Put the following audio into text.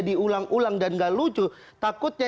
diulang ulang dan gak lucu takutnya